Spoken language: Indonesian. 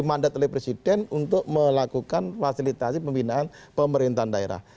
dprd itu disuruh oleh presiden untuk melakukan fasilitasi pembinaan pemerintahan daerah